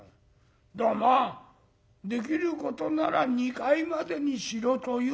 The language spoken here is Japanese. だからまあできることなら２階までにしろという戒めだよ。なあ？